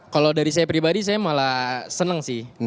kalau dari saya pribadi saya malah senang sih